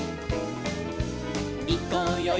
「いこうよい